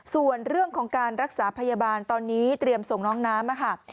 ส่วนเรื่องของการรักษาพยาบาลตอนนี้เตรียมส่งน้องน้ำค่ะ